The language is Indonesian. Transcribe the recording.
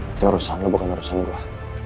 itu urusan lo bukan urusan gue